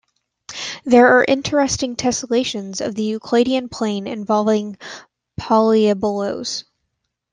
There are interesting tessellations of the Euclidean plane involving polyaboloes.